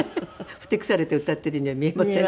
ふてくされて歌っているようには見えませんね。